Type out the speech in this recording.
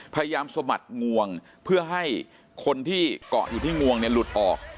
สมัครงวงเพื่อให้คนที่เกาะอยู่ที่งวงเนี่ยหลุดออก